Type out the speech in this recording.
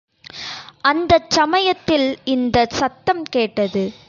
அந்தச் சமயத்தில் இந்தச் சத்தம் கேட்டது.